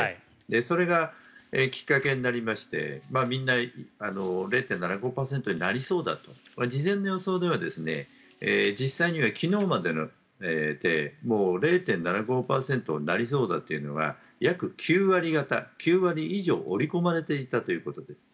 それがきっかけになりましてみんな０．７５％になりそうだと事前の予想では実際には昨日まででもう０．７５％になりそうだというのは約９割方、９割以上織り込まれていたということです。